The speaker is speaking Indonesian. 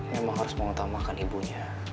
memang harus mengutamakan ibunya